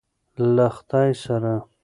له خدای سره.